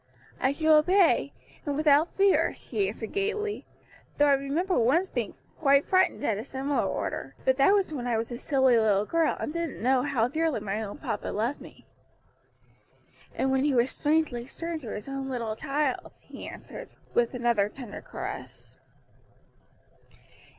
"I shall obey, and without fear," she answered gayly, "though I remember once being quite frightened at a similar order; but that was when I was a silly little girl and didn't know how dearly my own papa loved me." "And when he was strangely stern to his own little child," he answered, with another tender caress.